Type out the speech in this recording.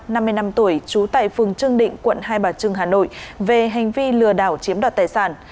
năm mươi năm tuổi trú tại phường trương định quận hai bà trưng hà nội về hành vi lừa đảo chiếm đoạt tài sản